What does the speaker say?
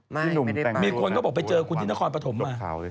ไม่มีคนเขาบอกไปเจอคุณที่นครปฐมมา